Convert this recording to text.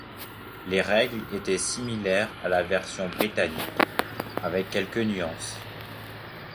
Les règles étaient similaires à la version britannique, avec quelques nuances.